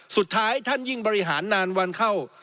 สุดท้ายท่านยิ่งบริหารนานวันเข้า